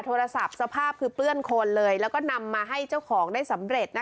โทรศัพท์สภาพคือเปื้อนโคนเลยแล้วก็นำมาให้เจ้าของได้สำเร็จนะคะ